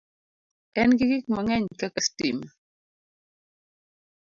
En gi gik mang'eny kaka sitima